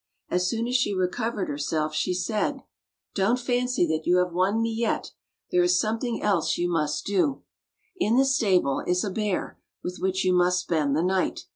As soon as she recovered herself, she said: "Don't 180 Fairy Tale Bears fancy that ^ou have won me yet. There is something else you must do. In the stable is a bear with which you must spend the night.